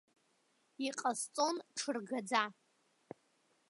Иҟасҵон ҽыргаӡа.